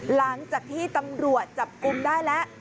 หลังจากที่ตำรวจจับกลุ่มได้แล้ว